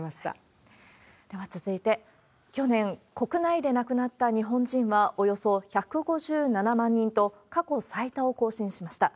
では続いて、去年、国内で亡くなった日本人はおよそ１５７万人と、過去最多を更新しました。